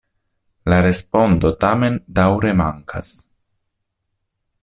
La respondo tamen daŭre mankas.